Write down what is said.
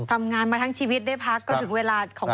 ทำงานมาทั้งชีวิตได้พักก็ถึงเวลาของเรา